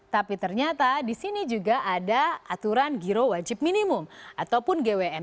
tapi ternyata di sini juga ada aturan giro wajib minimum ataupun gwm